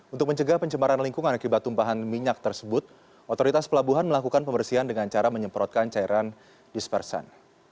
untuk mencegah pencemaran lingkungan akibat tumpahan minyak tersebut otoritas pelabuhan melakukan pembersihan dengan cara menyemprotkan cairan dispersan